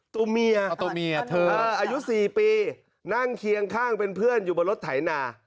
ตัวเมียตัวเมียเธออายุ๔ปีนั่งเคียงข้างเป็นเพื่อนอยู่บนรถไถนา